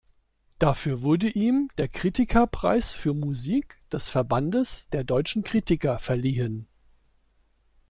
Dafür wurde ihm der Kritikerpreis für Musik des Verbandes der Deutschen Kritiker verliehen.